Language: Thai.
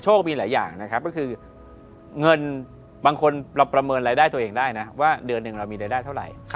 มีหลายอย่างนะครับก็คือเงินบางคนเราประเมินรายได้ตัวเองได้นะว่าเดือนหนึ่งเรามีรายได้เท่าไหร่